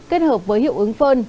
kết hợp với hiệu ứng phơn